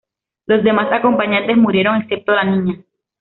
Los demás acompañantes murieron, excepto la niña.